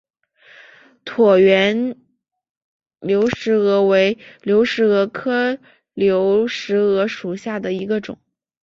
椭圆流石蛾为流石蛾科流石蛾属下的一个种。